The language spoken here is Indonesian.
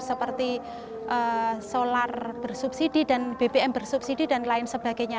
seperti solar bersubsidi dan bbm bersubsidi dan lain sebagainya